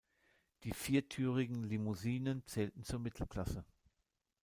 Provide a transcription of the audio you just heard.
Die viertürigen Limousinen zählten zur Mittelklasse.